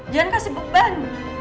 jangan kasih beban